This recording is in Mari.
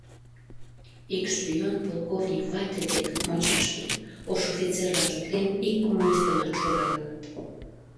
Ик шпион полковник вате дек, мончашке, ош офицерлан шотлен ик коммунистымат шуралыныт.